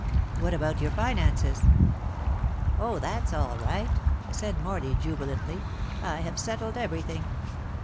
"What about your finances?" "Oh, that's all right," said Morley, jubilantly. "I have settled everything.